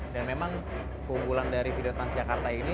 dan memang keunggulan dari feeder transjakarta ini